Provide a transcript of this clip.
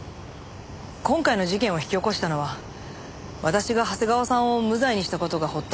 今回の事件を引き起こしたのは私が長谷川さんを無罪にした事が発端です。